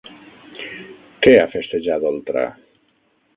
Què ha festejat Oltra?